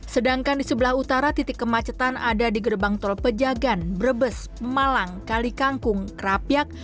sedangkan di sebelah utara titik kemacetan ada di gerbang tol pejagan brebes malang kali kangkung kerapiak